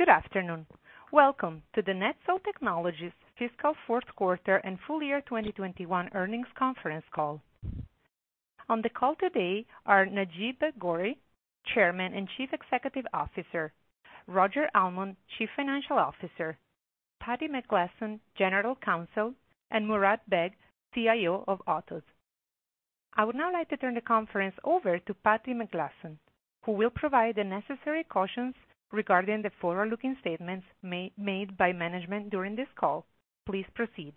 Good afternoon. Welcome to the NetSol Technologies fiscal fourth quarter and full year 2021 earnings conference call. On the call today are Najeeb Ghauri, Chairman and Chief Executive Officer. Roger Almond, Chief Financial Officer, Patti McGlasson, General Counsel, and Murad Baig, CIO of Otoz. I would now like to turn the conference over to Patti McGlasson, who will provide the necessary cautions regarding the forward-looking statements made by management during this call. Please proceed.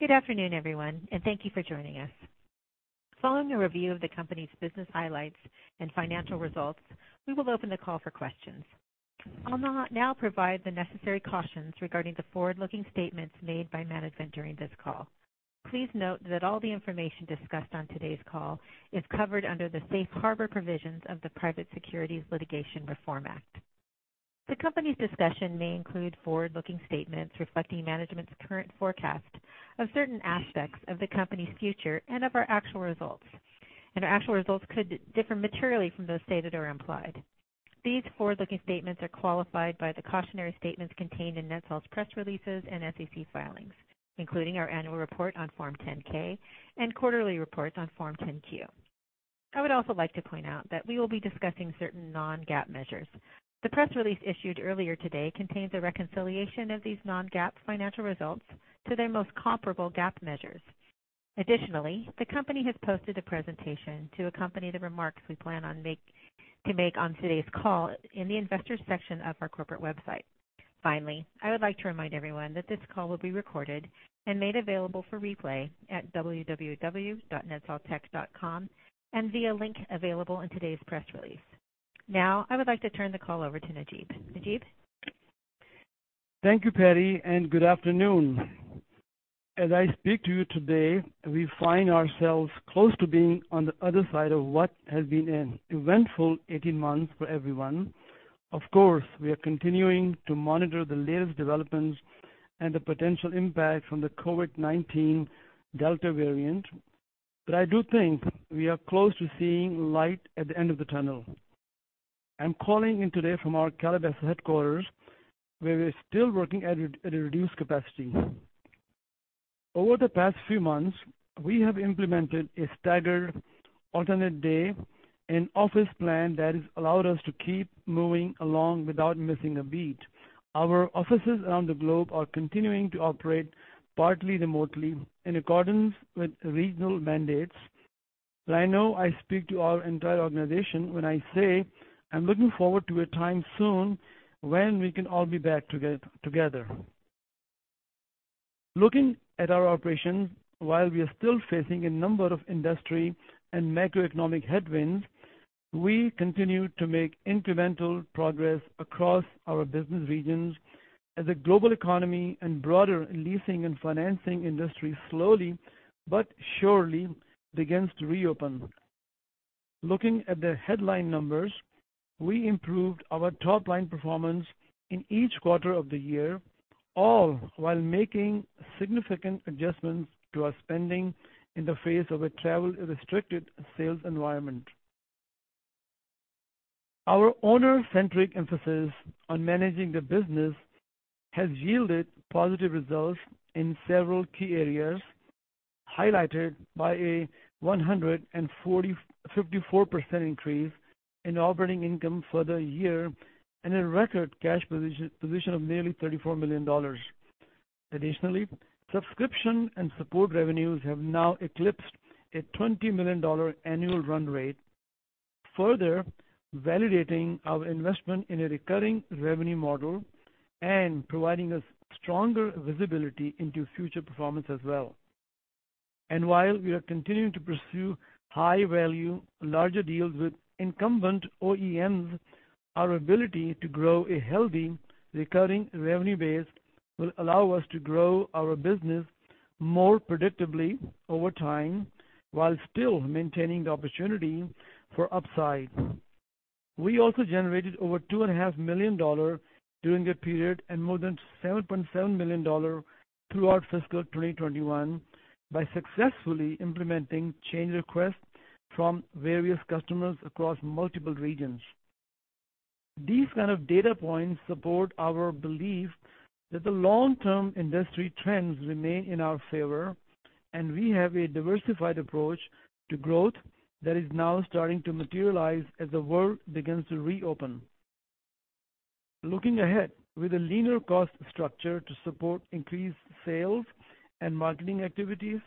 Good afternoon, everyone, and thank you for joining us. Following a review of the company's business highlights and financial results, we will open the call for questions. I'll now provide the necessary cautions regarding the forward-looking statements made by management during this call. Please note that all the information discussed on today's call is covered under the Safe Harbor provisions of the Private Securities Litigation Reform Act. The company's discussion may include forward-looking statements reflecting management's current forecast of certain aspects of the company's future and of our actual results. Our actual results could differ materially from those stated or implied. These forward-looking statements are qualified by the cautionary statements contained in NetSol's press releases and SEC filings, including our annual report on Form 10-K and quarterly reports on Form 10-Q. I would also like to point out that we will be discussing certain non-GAAP measures. The press release issued earlier today contains a reconciliation of these non-GAAP financial results to their most comparable GAAP measures. Additionally, the company has posted a presentation to accompany the remarks we plan to make on today's call in the Investors section of our corporate website. Finally, I would like to remind everyone that this call will be recorded and made available for replay at www.netsoltech.com and via link available in today's press release. Now, I would like to turn the call over to Najeeb. Najeeb? Thank you, Patti. Good afternoon. As I speak to you today, we find ourselves close to being on the other side of what has been an eventful 18 months for everyone. Of course, we are continuing to monitor the latest developments and the potential impact from the COVID-19 Delta variant. I do think we are close to seeing light at the end of the tunnel. I'm calling in today from our Calabasas headquarters, where we're still working at a reduced capacity. Over the past few months, we have implemented a staggered alternate day in-office plan that has allowed us to keep moving along without missing a beat. Our offices around the globe are continuing to operate partly remotely in accordance with regional mandates. I know I speak to our entire organization when I say I'm looking forward to a time soon when we can all be back together. Looking at our operations, while we are still facing a number of industry and macroeconomic headwinds, we continue to make incremental progress across our business regions as the global economy and broader leasing and financing industry slowly but surely begins to reopen. Looking at the headline numbers, we improved our top-line performance in each quarter of the year, all while making significant adjustments to our spending in the face of a travel-restricted sales environment. Our owner-centric emphasis on managing the business has yielded positive results in several key areas, highlighted by a 154% increase in operating income for the year and a record cash position of nearly $34 million. Additionally, subscription and support revenues have now eclipsed a $20 million annual run rate, further validating our investment in a recurring revenue model and providing us stronger visibility into future performance as well. While we are continuing to pursue high-value, larger deals with incumbent OEMs, our ability to grow a healthy recurring revenue base will allow us to grow our business more predictably over time while still maintaining the opportunity for upside. We also generated over $2.5 million during the period, and more than $7.7 million throughout fiscal 2021 by successfully implementing change requests from various customers across multiple regions. These kind of data points support our belief that the long-term industry trends remain in our favor, and we have a diversified approach to growth that is now starting to materialize as the world begins to reopen. Looking ahead, with a leaner cost structure to support increased sales and marketing activities,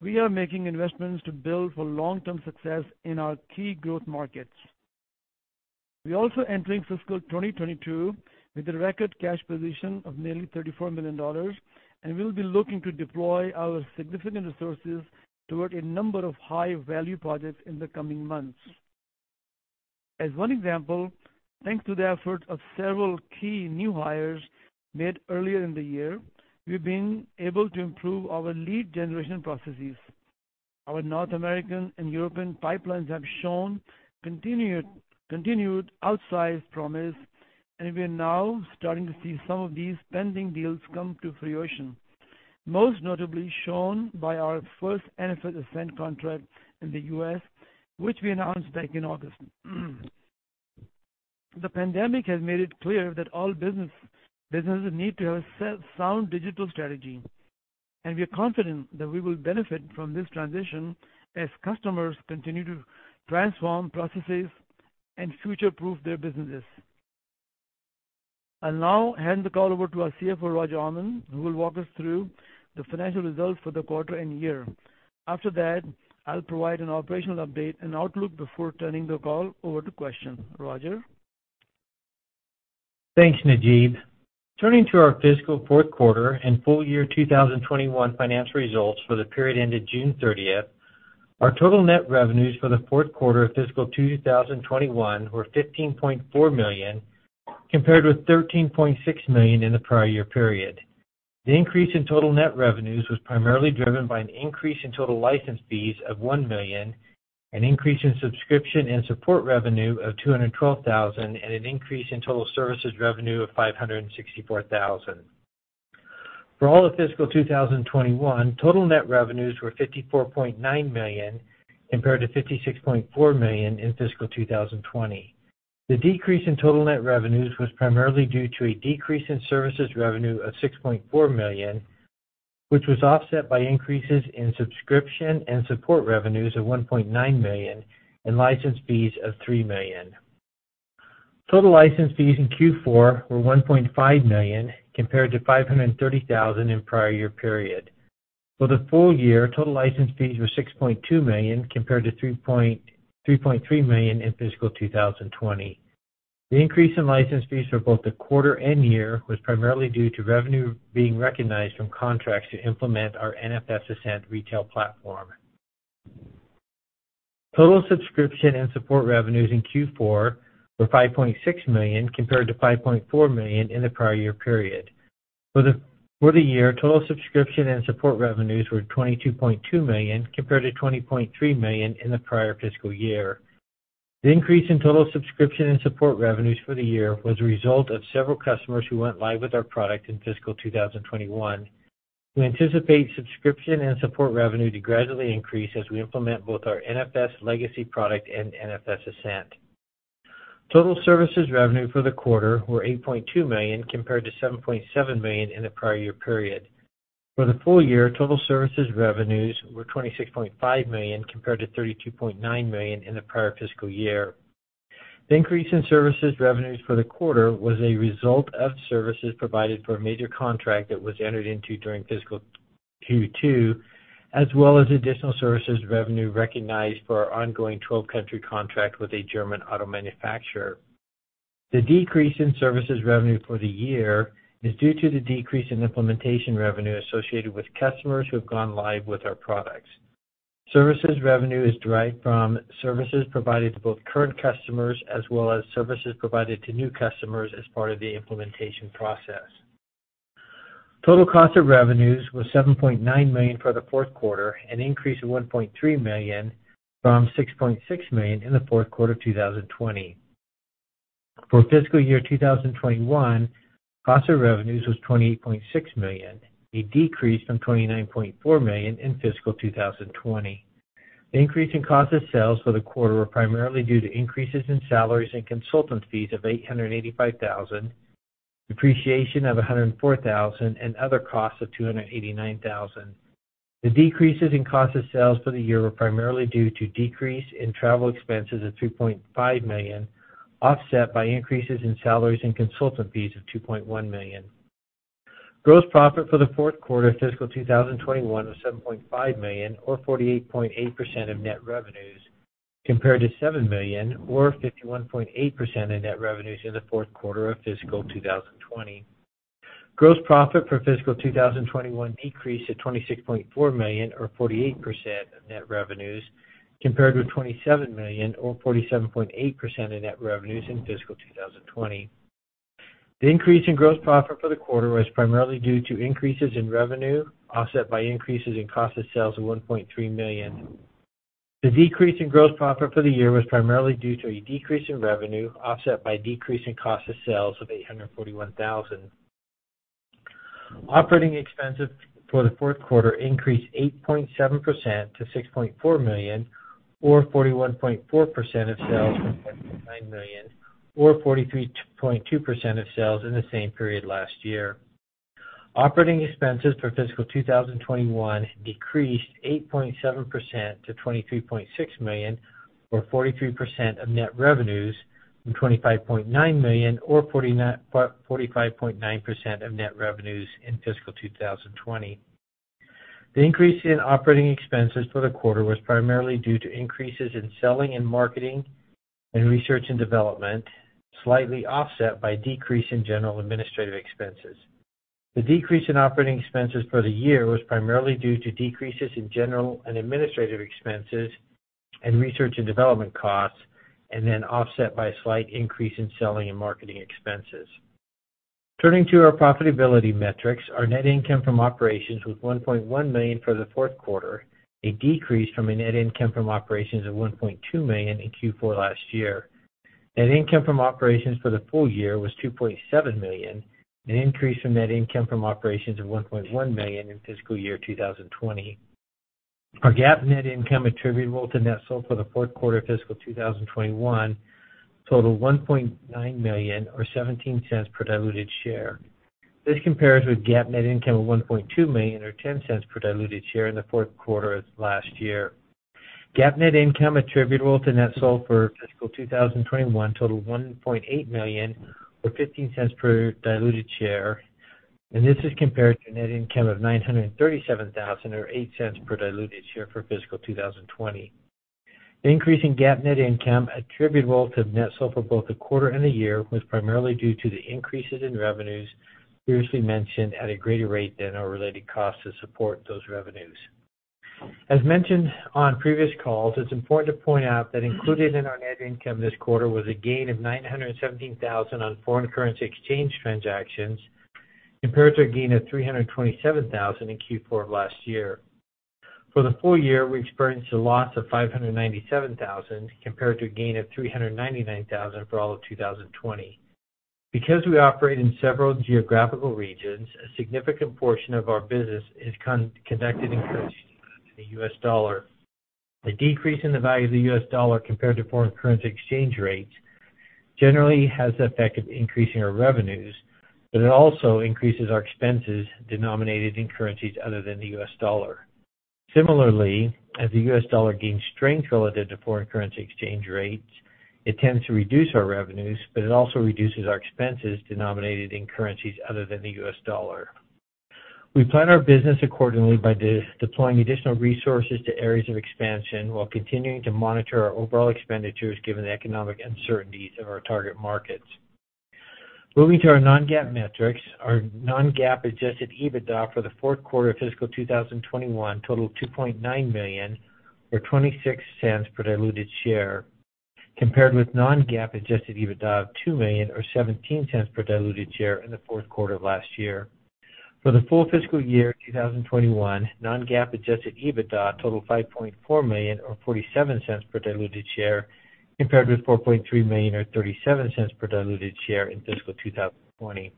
we are making investments to build for long-term success in our key growth markets. We're also entering fiscal 2022 with a record cash position of nearly $34 million, and we'll be looking to deploy our significant resources toward a number of high-value projects in the coming months. As one example, thanks to the effort of several key new hires made earlier in the year, we've been able to improve our lead generation processes. Our North American and European pipelines have shown continued outsized promise, and we are now starting to see some of these pending deals come to fruition. Most notably shown by our first NFS Ascent contract in the U.S., which we announced back in August. The pandemic has made it clear that all businesses need to have a sound digital strategy. We are confident that we will benefit from this transition as customers continue to transform processes and future-proof their businesses. I'll now hand the call over to our CFO, Roger Almond, who will walk us through the financial results for the quarter and year. After that, I'll provide an operational update and outlook before turning the call over to questions. Roger? Thanks, Najeeb. Turning to our fiscal fourth quarter and full year 2021 financial results for the period ending June 30th. Our total net revenues for the fourth quarter of fiscal 2021 were $15.4 million, compared with $13.6 million in the prior year period. The increase in total net revenues was primarily driven by an increase in total license fees of $1 million, an increase in subscription and support revenue of $212,000, and an increase in total services revenue of $564,000. For all of fiscal 2021, total net revenues were $54.9 million compared to $56.4 million in fiscal 2020. The decrease in total net revenues was primarily due to a decrease in services revenue of $6.4 million, which was offset by increases in subscription and support revenues of $1.9 million and license fees of $3 million. Total license fees in Q4 were $1.5 million compared to $530,000 in prior year period. For the full year, total license fees were $6.2 million compared to $3.3 million in fiscal 2020. The increase in license fees for both the quarter and year was primarily due to revenue being recognized from contracts to implement our NFS Ascent retail platform. Total subscription and support revenues in Q4 were $5.6 million compared to $5.4 million in the prior year period. For the year, total subscription and support revenues were $22.2 million compared to $20.3 million in the prior fiscal year. The increase in total subscription and support revenues for the year was a result of several customers who went live with our product in fiscal 2021. We anticipate subscription and support revenue to gradually increase as we implement both our NFS legacy product and NFS Ascent. Total services revenue for the quarter were $8.2 million compared to $7.7 million in the prior year period. For the full year, total services revenues were $26.5 million compared to $32.9 million in the prior fiscal year. The increase in services revenues for the quarter was a result of services provided for a major contract that was entered into during fiscal Q2, as well as additional services revenue recognized for our ongoing 12-country contract with a German auto manufacturer. The decrease in services revenue for the year is due to the decrease in implementation revenue associated with customers who have gone live with our products. Services revenue is derived from services provided to both current customers as well as services provided to new customers as part of the implementation process. Total cost of revenues was $7.9 million for the fourth quarter, an increase of $1.3 million from $6.6 million in the fourth quarter of 2020. For fiscal year 2021, cost of revenues was $28.6 million, a decrease from $29.4 million in fiscal 2020. The increase in cost of sales for the quarter were primarily due to increases in salaries and consultant fees of $885,000, depreciation of $104,000, and other costs of $289,000. The decreases in cost of sales for the year were primarily due to decrease in travel expenses of $3.5 million, offset by increases in salaries and consultant fees of $2.1 million. Gross profit for the fourth quarter of fiscal 2021 was $7.5 million or 48.8% of net revenues, compared to $7 million or 51.8% of net revenues in the fourth quarter of fiscal 2020. Gross profit for fiscal 2021 decreased to $26.4 million or 48% of net revenues, compared with $27 million or 47.8% of net revenues in fiscal 2020. The increase in gross profit for the quarter was primarily due to increases in revenue, offset by increases in cost of sales of $1.3 million. The decrease in gross profit for the year was primarily due to a decrease in revenue, offset by decrease in cost of sales of $841,000. Operating expenses for the fourth quarter increased 8.7% to $6.4 million or 41.4% of sales, from $5.9 million or 43.2% of sales in the same period last year. Operating expenses for fiscal 2021 decreased 8.7% to $23.6 million or 43% of net revenues from $25.9 million or 45.9% of net revenues in fiscal 2020. The increase in operating expenses for the quarter was primarily due to increases in selling and marketing and research and development, slightly offset by decrease in general administrative expenses. The decrease in operating expenses for the year was primarily due to decreases in general and administrative expenses and research and development costs, offset by a slight increase in selling and marketing expenses. Turning to our profitability metrics, our net income from operations was $1.1 million for the fourth quarter, a decrease from a net income from operations of $1.2 million in Q4 last year. Net income from operations for the full year was $2.7 million, an increase from net income from operations of $1.1 million in fiscal year 2020. Our GAAP net income attributable to NetSol for the fourth quarter of fiscal 2021 totaled $1.9 million, or $0.17 per diluted share. This compares with GAAP net income of $1.2 million, or $0.10 per diluted share in the fourth quarter of last year. GAAP net income attributable to NetSol for fiscal 2021 totaled $1.8 million, or $0.15 per diluted share. This is compared to a net income of $937,000, or $0.08 per diluted share for fiscal 2020. The increase in GAAP net income attributable to NetSol for both the quarter and the year was primarily due to the increases in revenues previously mentioned at a greater rate than our related costs to support those revenues. As mentioned on previous calls, it's important to point out that included in our net income this quarter was a gain of $917,000 on foreign currency exchange transactions, compared to a gain of $327,000 in Q4 of last year. For the full year, we experienced a loss of $597,000, compared to a gain of $399,000 for all of 2020. Because we operate in several geographical regions, a significant portion of our business is conducted in currency other than the US dollar. A decrease in the value of the US dollar compared to foreign currency exchange rates generally has the effect of increasing our revenues, but it also increases our expenses denominated in currencies other than the U.S. dollar. Similarly, as the US dollar gains strength relative to foreign currency exchange rates, it tends to reduce our revenues, but it also reduces our expenses denominated in currencies other than the US dollar. We plan our business accordingly by deploying additional resources to areas of expansion while continuing to monitor our overall expenditures given the economic uncertainties of our target markets. Moving to our non-GAAP metrics, our non-GAAP adjusted EBITDA for the fourth quarter of fiscal 2021 totaled $2.9 million, or $0.26 per diluted share, compared with non-GAAP adjusted EBITDA of $2 million or $0.17 per diluted share in the fourth quarter of last year. For the full fiscal year 2021, non-GAAP adjusted EBITDA totaled $5.4 million, or $0.47 per diluted share, compared with $4.3 million or $0.37 per diluted share in fiscal 2020.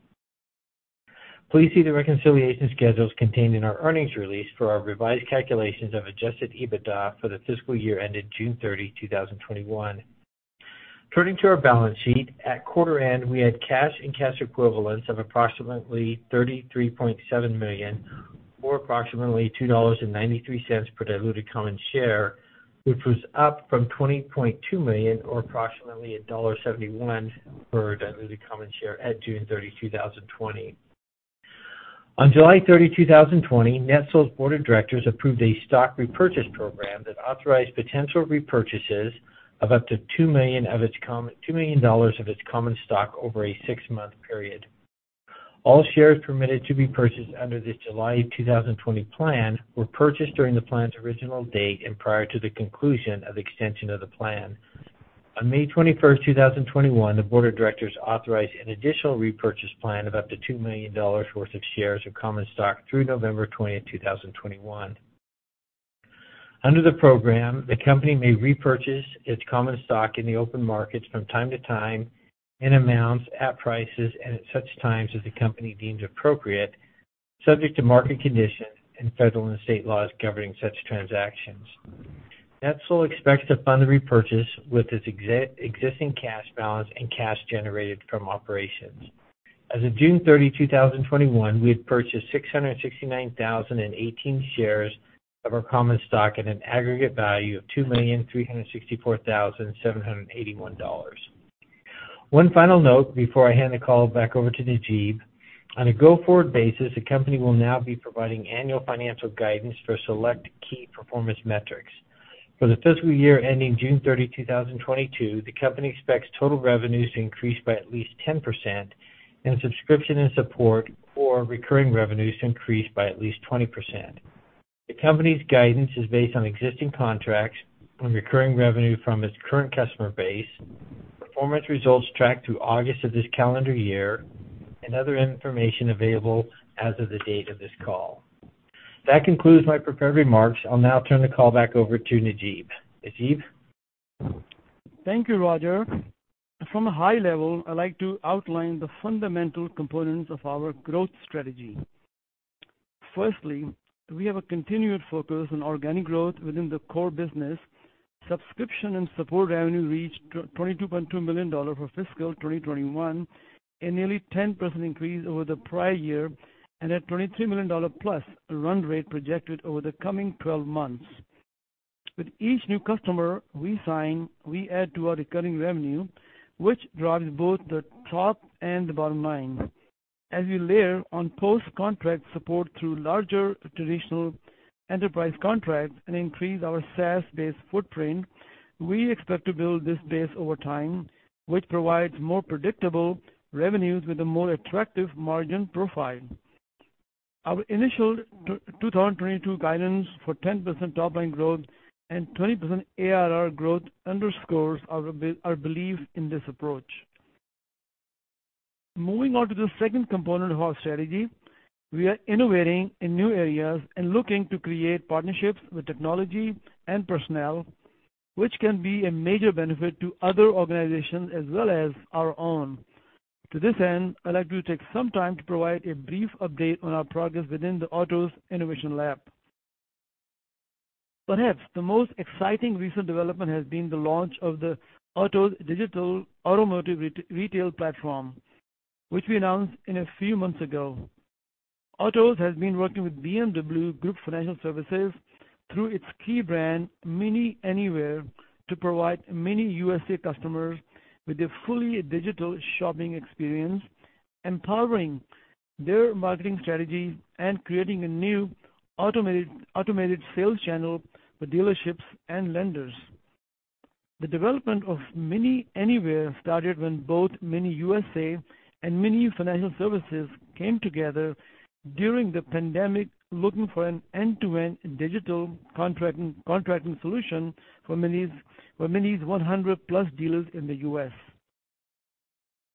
Please see the reconciliation schedules contained in our earnings release for our revised calculations of adjusted EBITDA for the fiscal year ended June 30, 2021. Turning to our balance sheet, at quarter end, we had cash and cash equivalents of approximately $33.7 million, or approximately $2.93 per diluted common share, which was up from $20.2 million or approximately $1.71 per diluted common share at June 30, 2020. On July 30, 2020, NetSol's board of directors approved a stock repurchase program that authorized potential repurchases of up to $2 million of its common stock over a six-month period. All shares permitted to be purchased under this July 2020 plan were purchased during the plan's original date and prior to the conclusion of the extension of the plan. On May 21st, 2021, the board of directors authorized an additional repurchase plan of up to $2 million worth of shares of common stock through November 20th, 2021. Under the program, the company may repurchase its common stock in the open markets from time to time, in amounts, at prices, and at such times as the company deems appropriate, subject to market conditions and federal and state laws governing such transactions. NetSol expects to fund the repurchase with its existing cash balance and cash generated from operations. As of June 30, 2021, we had purchased 669,018 shares of our common stock at an aggregate value of $2,364,781. One final note before I hand the call back over to Najeeb. On a go-forward basis, the company will now be providing annual financial guidance for select key performance metrics. For the fiscal year ending June 30, 2022, the company expects total revenues to increase by at least 10%, and subscription and support or recurring revenues to increase by at least 20%. The company's guidance is based on existing contracts, on recurring revenue from its current customer base, performance results tracked through August of this calendar year, and other information available as of the date of this call. That concludes my prepared remarks. I'll now turn the call back over to Najeeb. Najeeb? Thank you, Roger. From a high level, I'd like to outline the fundamental components of our growth strategy. Firstly, we have a continued focus on organic growth within the core business. Subscription and support revenue reached $22.2 million for fiscal 2021, a nearly 10% increase over the prior year, and at $23 million plus run rate projected over the coming 12 months. With each new customer we sign, we add to our recurring revenue, which drives both the top and the bottom line. As we layer on post-contract support through larger traditional enterprise contracts and increase our SaaS-based footprint, we expect to build this base over time, which provides more predictable revenues with a more attractive margin profile. Our initial 2022 guidance for 10% top-line growth and 20% ARR growth underscores our belief in this approach. Moving on to the second component of our strategy, we are innovating in new areas and looking to create partnerships with technology and personnel, which can be a major benefit to other organizations as well as our own. To this end, I'd like to take some time to provide a brief update on our progress within the Otoz Innovation Lab. Perhaps the most exciting recent development has been the launch of the Otoz digital automotive retail platform, which we announced a few months ago. Otoz has been working with BMW Group Financial Services through its key brand, MINI Anywhere, to provide MINI USA customers with a fully digital shopping experience, empowering their marketing strategy and creating a new automated sales channel for dealerships and lenders. The development of MINI Anywhere started when both MINI USA and MINI Financial Services came together during the pandemic looking for an end-to-end digital contracting solution for MINI's 100-plus dealers in the U.S.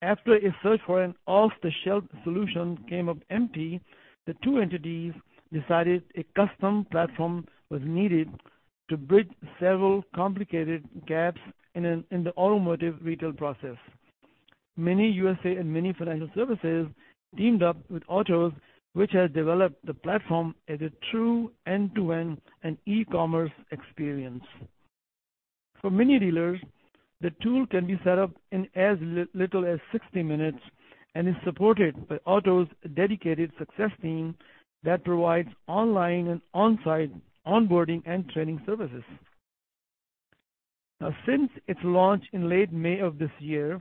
After a search for an off-the-shelf solution came up empty, the two entities decided a custom platform was needed to bridge several complicated gaps in the automotive retail process. MINI USA and MINI Financial Services teamed up with Otoz, which has developed the platform as a true end-to-end and e-commerce experience. For MINI dealers, the tool can be set up in as little as 60 minutes and is supported by Otoz' dedicated success team that provides online and on-site onboarding and training services. Now, since its launch in late May of this year,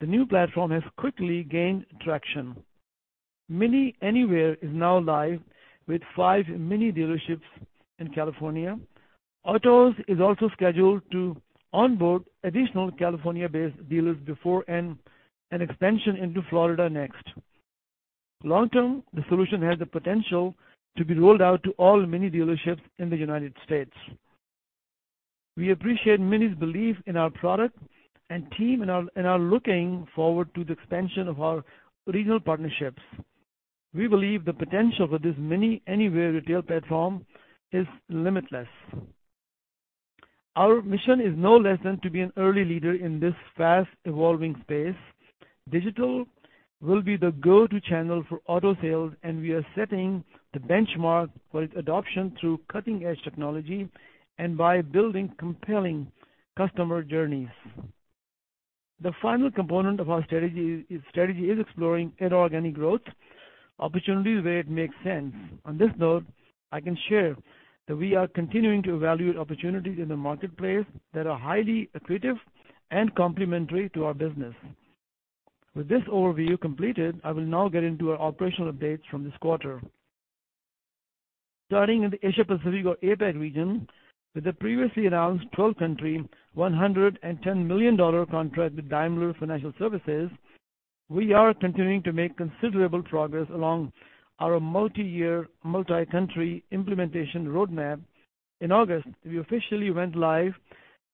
the new platform has quickly gained traction. MINI Anywhere is now live with five MINI dealerships in California. Otoz is also scheduled to onboard additional California-based dealers before an expansion into Florida next. Long-term, the solution has the potential to be rolled out to all MINI dealerships in the U.S. We appreciate MINI's belief in our product and team and are looking forward to the expansion of our regional partnerships. We believe the potential for this MINI Anywhere retail platform is limitless. Our mission is no less than to be an early leader in this fast-evolving space. Digital will be the go-to channel for auto sales. We are setting the benchmark for its adoption through cutting-edge technology and by building compelling customer journeys. The final component of our strategy is exploring inorganic growth opportunities where it makes sense. On this note, I can share that we are continuing to evaluate opportunities in the marketplace that are highly accretive and complementary to our business. With this overview completed, I will now get into our operational updates from this quarter. Starting in the Asia Pacific or APAC region with the previously announced 12-country, $110 million contract with Daimler Financial Services, we are continuing to make considerable progress along our multi-year, multi-country implementation roadmap. In August, we officially went live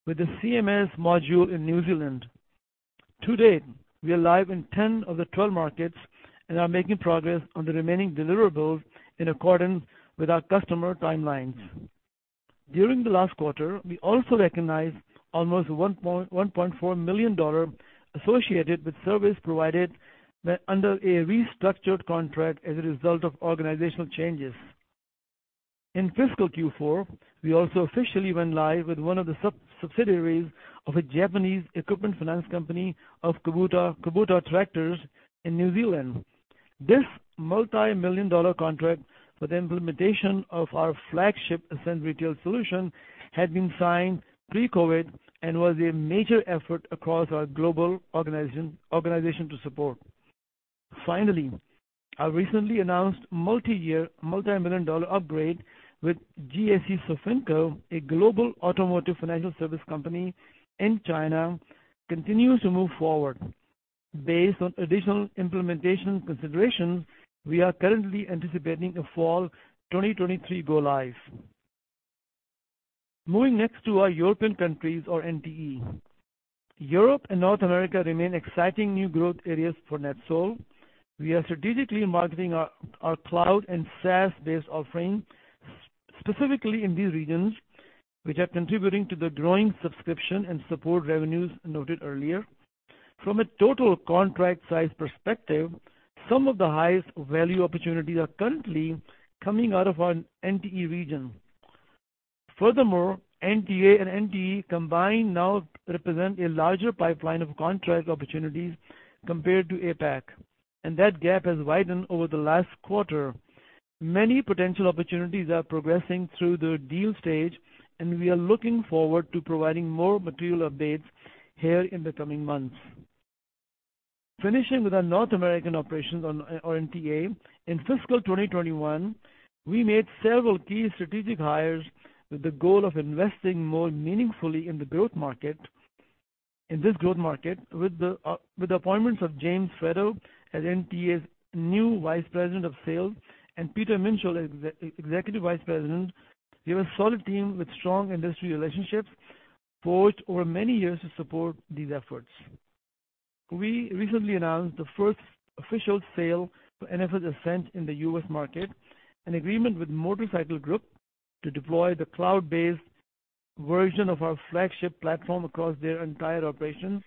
with the CMS module in New Zealand. To date, we are live in 10 of the 12 markets and are making progress on the remaining deliverables in accordance with our customer timelines. During the last quarter, we also recognized almost $1.4 million associated with service provided under a restructured contract as a result of organizational changes. In fiscal Q4, we also officially went live with one of the subsidiaries of a Japanese equipment finance company of Kubota tractors in New Zealand. This multi-million dollar contract for the implementation of our flagship Ascent Retail solution had been signed pre-COVID-19 and was a major effort across our global organization to support. Our recently announced multi-year, multi-million dollar upgrade with GAC-SOFINCO, a global automotive financial service company in China, continues to move forward. Based on additional implementation considerations, we are currently anticipating a fall 2023 go live. Moving next to our European countries or NTE. Europe and North America remain exciting new growth areas for NetSol. We are strategically marketing our cloud and SaaS-based offerings, specifically in these regions, which are contributing to the growing subscription and support revenues noted earlier. From a total contract size perspective, some of the highest value opportunities are currently coming out of our NTE region. NTA and NTE combined now represent a larger pipeline of contract opportunities compared to APAC, and that gap has widened over the last quarter. Many potential opportunities are progressing through the deal stage. We are looking forward to providing more material updates here in the coming months. Finishing with our North American operations or NTA, in fiscal 2021, we made several key strategic hires with the goal of investing more meaningfully in this growth market. With the appointments of James Freto as NTA's new Vice President of Sales and Peter Minshall as Executive Vice President, we have a solid team with strong industry relationships for over many years to support these efforts. We recently announced the first official sale for NetSol Ascent in the U.S. market, an agreement with Motorcycle Group to deploy the cloud-based version of our flagship platform across their entire operations,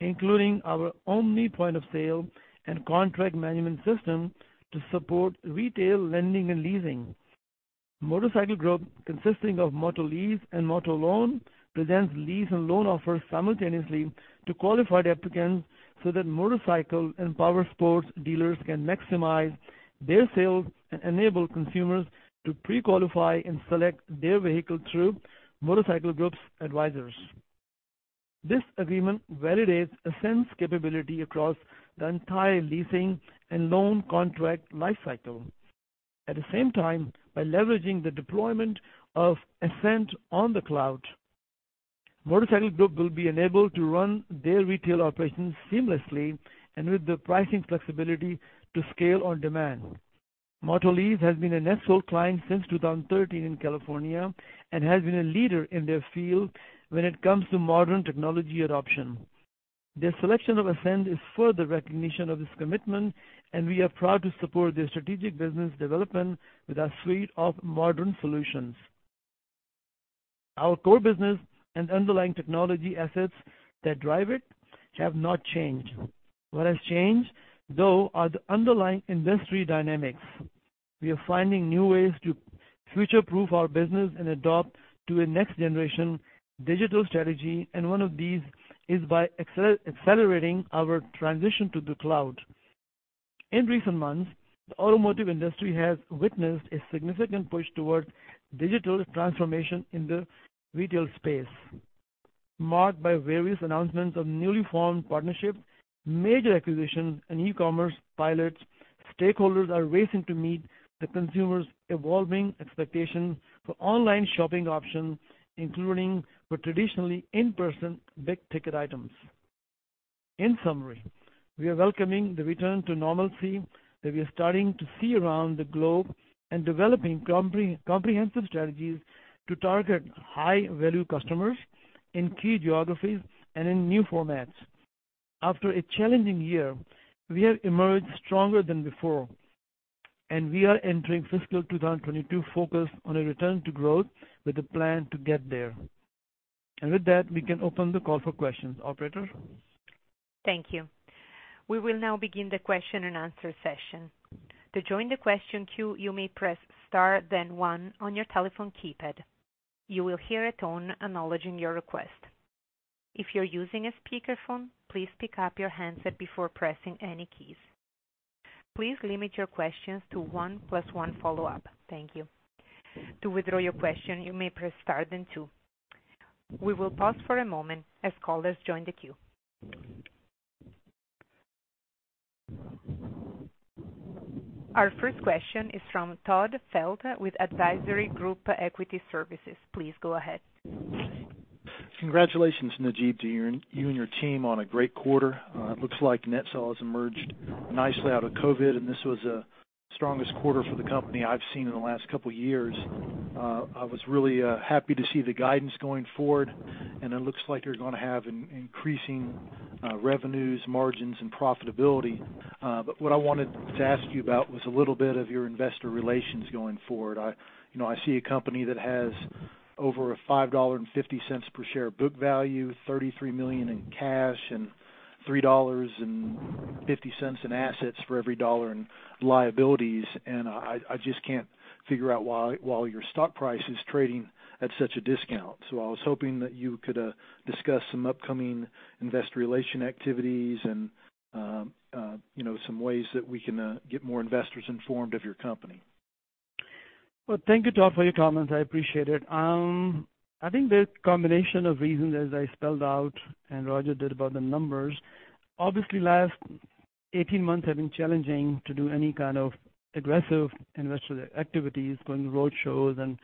including our Omni Point of Sale and Contract Management System to support retail lending and leasing. Motorcycle Group, consisting of MotoLease and MotoLoan, presents lease and loan offers simultaneously to qualified applicants so that motorcycle and power sports dealers can maximize their sales and enable consumers to pre-qualify and select their vehicle through Motorcycle Group's advisors. This agreement validates Ascent's capability across the entire leasing and loan contract life cycle. At the same time, by leveraging the deployment of Ascent on the cloud, Motorcycle Group will be enabled to run their retail operations seamlessly and with the pricing flexibility to scale on demand. MotoLease has been a NetSol client since 2013 in California and has been a leader in their field when it comes to modern technology adoption. Their selection of Ascent is further recognition of this commitment, and we are proud to support their strategic business development with our suite of modern solutions. Our core business and underlying technology assets that drive it have not changed. What has changed, though, are the underlying industry dynamics. We are finding new ways to future-proof our business and adopt to a next-generation digital strategy, and one of these is by accelerating our transition to the cloud. In recent months, the automotive industry has witnessed a significant push towards digital transformation in the retail space. Marked by various announcements of newly formed partnerships, major acquisitions, and e-commerce pilots, stakeholders are racing to meet the consumer's evolving expectations for online shopping options, including for traditionally in-person big-ticket items. In summary, we are welcoming the return to normalcy that we are starting to see around the globe and developing comprehensive strategies to target high-value customers in key geographies and in new formats. After a challenging year, we have emerged stronger than before, we are entering fiscal 2022 focused on a return to growth with a plan to get there. With that, we can open the call for questions. Operator? Thank you. We will now begin the question and answer session. Please limit your questions to one plus one follow-up. Thank you. We will pause for a moment as callers join the queue. Our first question is from Todd Felte with Advisory Group Equity Services. Please go ahead. Congratulations, Najeeb, to you and your team on a great quarter. It looks like NetSol has emerged nicely out of COVID, and this was the strongest quarter for the company I've seen in the last couple of years. I was really happy to see the guidance going forward. It looks like you're going to have increasing revenues, margins, and profitability. What I wanted to ask you about was a little bit of your investor relations going forward. I see a company that has over a $5.50 per share book value, $33 million in cash, and $3.50 in assets for every dollar in liabilities. I just can't figure out why your stock price is trading at such a discount. I was hoping that you could discuss some upcoming investor relation activities and some ways that we can get more investors informed of your company. Well, thank you, Todd, for your comments. I appreciate it. I think the combination of reasons, as I spelled out, and Roger did about the numbers, obviously last 18 months have been challenging to do any kind of aggressive investor activities, going to road shows and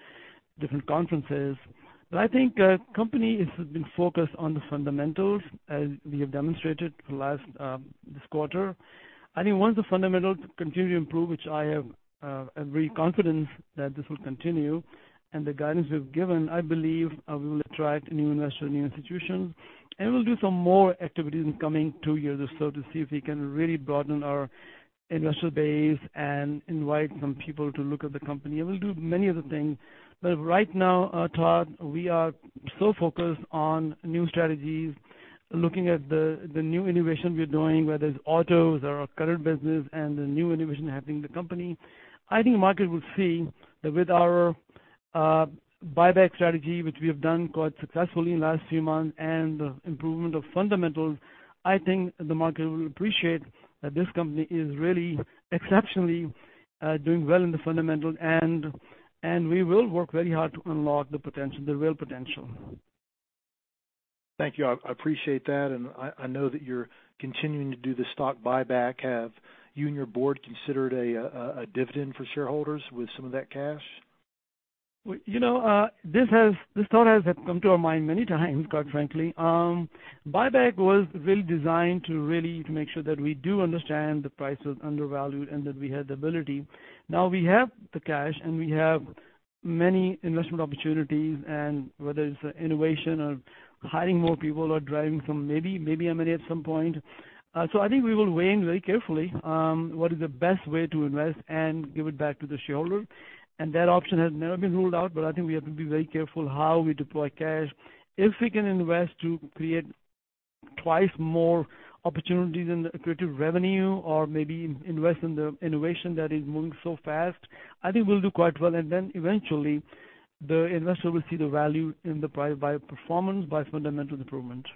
different conferences. I think our company has been focused on the fundamentals as we have demonstrated for this quarter. I think once the fundamentals continue to improve, which I am very confident that this will continue, and the guidance we've given, I believe we will attract new investors, new institutions, and we'll do some more activities in the coming two years or so to see if we can really broaden our investor base and invite some people to look at the company. We'll do many other things. Right now, Todd, we are so focused on new strategies, looking at the new innovation we're doing, whether it's Otoz or our current business and the new innovation happening in the company. I think the market will see that with our buyback strategy, which we have done quite successfully in the last few months, and the improvement of fundamentals, I think the market will appreciate that this company is really exceptionally doing well in the fundamentals, and we will work very hard to unlock the potential, the real potential. Thank you. I appreciate that. I know that you're continuing to do the stock buyback. Have you and your board considered a dividend for shareholders with some of that cash? This thought has come to our mind many times, quite frankly. Buyback was really designed to really make sure that we do understand the price was undervalued and that we had the ability. Now we have the cash, we have many investment opportunities, whether it's innovation or hiring more people or driving some, maybe M&A at some point. I think we will weigh in very carefully what is the best way to invest and give it back to the shareholder. That option has never been ruled out, but I think we have to be very careful how we deploy cash. If we can invest to create twice more opportunities in accretive revenue or maybe invest in the innovation that is moving so fast, I think we'll do quite well. Eventually, the investor will see the value in the price by performance, by fundamental improvement.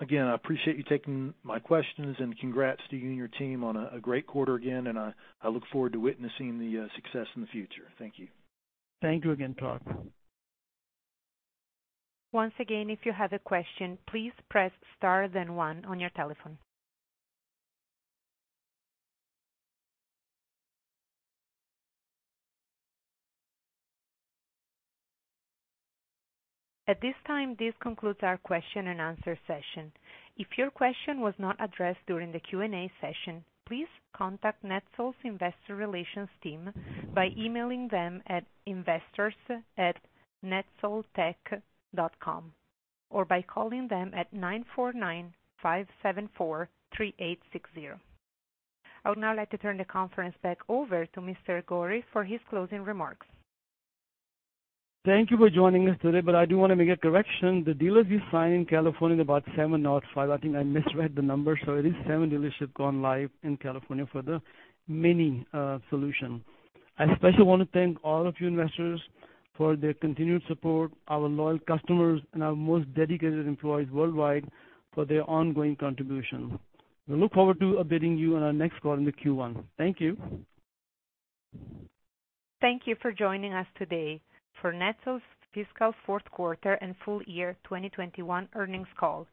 Again, I appreciate you taking my questions, and congrats to you and your team on a great quarter again, and I look forward to witnessing the success in the future. Thank you. Thank you again, Todd. Once again, if you have a question, please press star then one on your telephone. At this time, this concludes our question and answer session. If your question was not addressed during the Q&A session, please contact NetSol's investor relations team by emailing them at investors@netsoltech.com or by calling them at 949-574-3860. I would now like to turn the conference back over to Mr. Ghauri for his closing remarks. Thank you for joining us today. I do want to make a correction. The dealers we signed in California is about seven, not five. I think I misread the number. It is seven dealerships gone live in California for the MINI solution. I especially want to thank all of you investors for their continued support, our loyal customers, and our most dedicated employees worldwide for their ongoing contribution. We look forward to updating you on our next call in the Q1. Thank you. Thank you for joining us today for NetSol's fiscal fourth quarter and full year 2021 earnings call.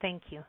Thank you.